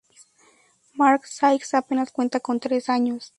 Mark Sykes apenas cuenta con tres años.